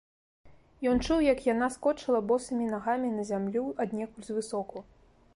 Ён чуў, як яна скочыла босымі нагамі па зямлю аднекуль звысоку.